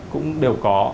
cũng đều có